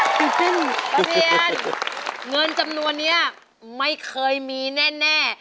คุณเพียงเงินจำนวนนี้ไม่เคยมีแน่